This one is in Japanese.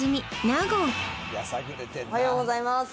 納言おはようございます